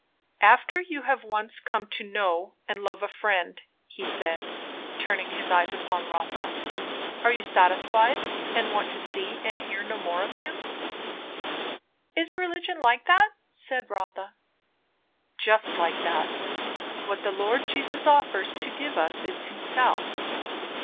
"After you have once come to know and love a friend," said he, turning his eyes upon Rotha, "are you satisfied, and want to see and hear no more of him?" "Is religion like that?" said Rotha. "Just like that. What the Lord Jesus offers to give us is himself.